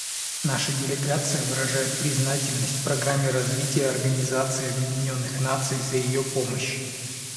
Наша делегация выражает признательность Программе развития Организации Объединенных Наций за ее помощь.